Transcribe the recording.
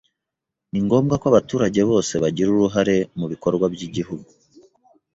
Ni ngombwa ko abaturage bose bagira uruhare mu bikorwa by’Igihugu